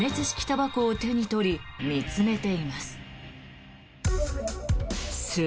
たばこを手に取り見つめています。